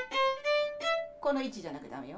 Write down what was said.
この位置じゃなきゃ駄目よ。